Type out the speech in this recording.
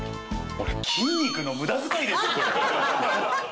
俺筋肉の無駄遣いですこれ。